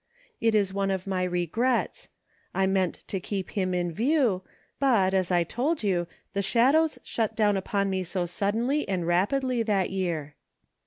It is one of my regrets ; I meant to keep him in view, but, as I told you, the shadows shut down upon me so sud denly and rapidly that year."